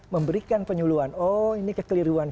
memberikan penyuluhan oh ini kekeliruan